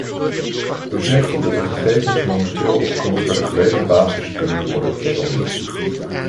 U zegt dat de gegevens momenteel op contractuele basis kunnen worden verzonden.